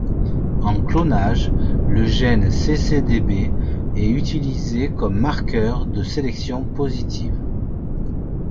En clonage, le gène ccdB est utilisé comme marqueur de sélection positive.